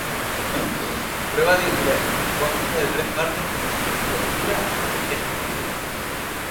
Prueba de inglés. Consta de tres partes conversación, lectura y escritura.